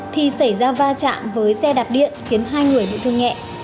thì xảy ra va chạm với xe đạp điện khiến hai người bị thương nhẹ